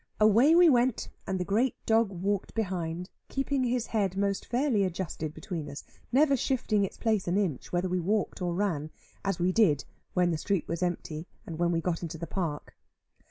Away we went, and the great dog walked behind, keeping his head most fairly adjusted between us, never shifting its place an inch, whether we walked or ran as we did where the street was empty, and when we got into the Park.